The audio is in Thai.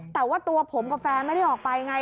แต่ว่าตัวผมกับแฟนไม่ได้ออกไปไง